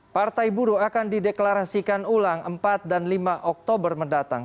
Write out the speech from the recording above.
partai buruh akan dideklarasikan ulang empat dan lima oktober mendatang